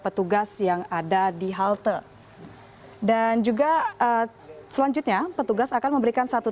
petugas yang ada di halte dan juga selanjutnya petugas akan memberikan satu